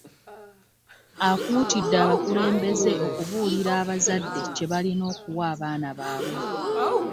Akuutidde abakulembeze okubuulira abazadde kye balina okuwa abaana baabwe.